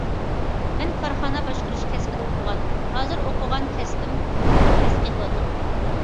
مەن كارخانا باشقۇرۇش كەسپىدە ئوقۇغان، ھازىر ئوقۇغان كەسپىم ئەسقېتىۋاتىدۇ.